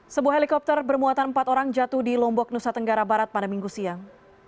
sebuah helikopter bermuatan empat orang jatuh di lombok nusa tenggara barat pada minggu siang